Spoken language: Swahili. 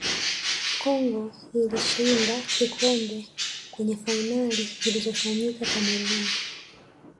congo ilishinda kikombe kwenye fainali zilizofanyika cameroon